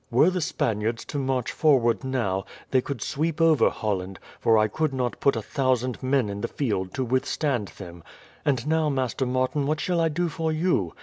Were the Spaniards to march forward now, they could sweep over Holland, for I could not put a thousand men in the field to withstand them. And now, Master Martin, what shall I do for you?